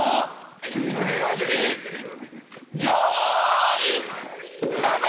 チーム平和主義用意スタート！